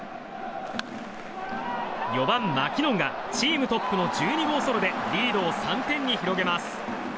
４番、マキノンがチームトップの１２号ソロでリードを３点に広げます。